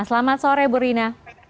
selamat sore bu rina